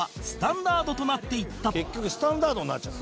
「結局スタンダードになっちゃった」